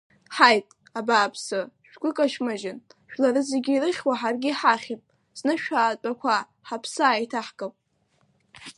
Ҳаит, абааԥсы, шәгу кашәмыжьын, жәлары зегьы ирыхьуа ҳаргьы иҳахьып, зны шәаатәақуа ҳаԥсы ааиҭаҳкып!